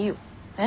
え？